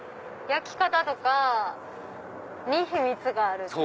焼き方とかに秘密がある？